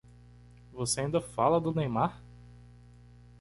Você ainda fala do Neymar?